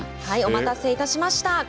お待たせいたしました。